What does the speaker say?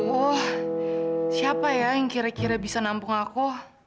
wah siapa ya yang kira kira bisa nampung aku